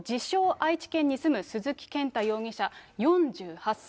愛知県に住む鈴木健太容疑者４８歳。